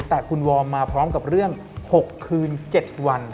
แต่คุณวอร์มมาพร้อมกับเรื่อง๖คืน๗วัน